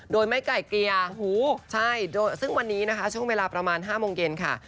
โดยไม่ไกลเกลี่ยหูใช่โดยซึ่งวันนี้นะคะช่วงเวลาประมาณ๕โมงเย็นค่ะ